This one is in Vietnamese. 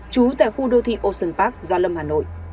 trú tại khu đô thị ocean park gia lâm hà nội